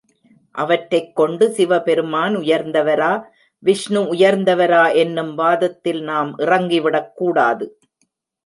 அவற்றைக் கொண்டு சிவபெருமான் உயர்ந்தவரா, விஷ்ணு உயர்ந்தவரா என்னும் வாதத்தில் நாம் இறங்கிவிடக் கூடாது.